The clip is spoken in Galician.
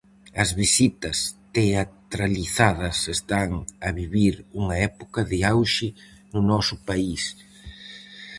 As visitas teatralizadas están a vivir unha época de auxe no noso país.